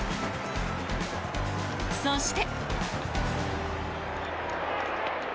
そして。